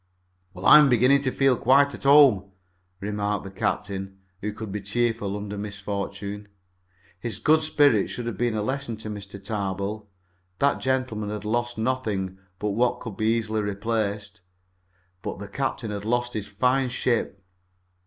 "Well, I'm beginning to feel quite to home," remarked the captain, who could be cheerful under misfortune. His good spirits should have been a lesson to Mr. Tarbill. That gentleman had lost nothing but what could be easily replaced, but the captain had lost his fine ship.